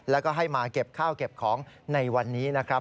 แล้วก็ให้มาเก็บข้าวเก็บของในวันนี้นะครับ